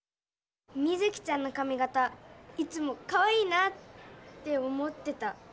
ミズキちゃんのかみ形いつもかわいいなって思ってた。